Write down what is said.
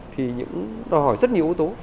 thì đòi hỏi rất nhiều yếu tố